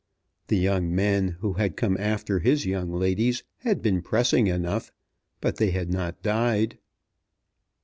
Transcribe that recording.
The young men who had come after his young ladies had been pressing enough, but they had not died.